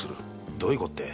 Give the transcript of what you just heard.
どういうこったい？